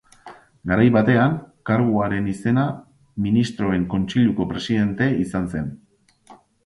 Garai batean karguaren izena Ministroen Kontseiluko presidente izan zen.